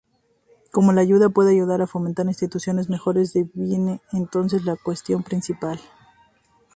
Cómo la ayuda puede ayudar a fomentar instituciones mejores deviene entonces la cuestión principal.